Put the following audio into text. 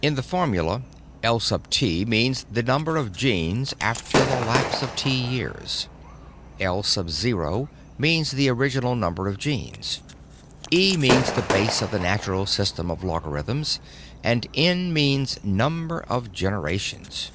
In the formula L_{T} means the number of genes after the lapse of T years, L_{O} means the original number of genes, e means the base of the natural system of logarithms and N means number of generations."